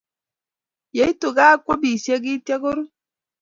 Ye itu gaa ko amisie kityoakuru